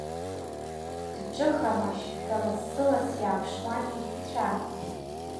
Дҿыхамашь ҳәа лассы-ласс иааԥшуан итәцәа.